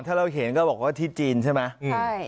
ถ้าเราเห็นก็บอกว่าที่จีนใช่ปะไปคุณครับครับ